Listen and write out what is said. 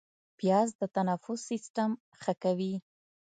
پیاز د تنفس سیستم ښه کوي